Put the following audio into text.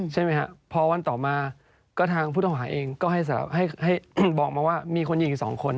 ใช่ไหมฮะพอวันต่อมาก็ทางผู้ต่อหาเองก็ให้สารให้ให้บอกมาว่ามีคนยิงสองคน